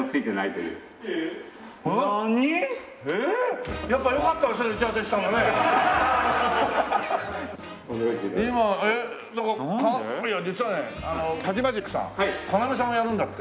いや実はねタジマジックさん要さんもやるんだって。